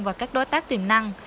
và các đối tác tiềm năng